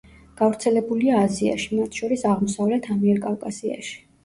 გავრცელებულია აზიაში, მათ შორის, აღმოსავლეთ ამიერკავკასიაში.